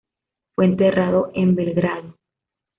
Fue enterrado en Belgrado.